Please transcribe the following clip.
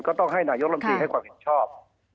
ก็ต้องให้นายกรมจีให้ความผิดชอบ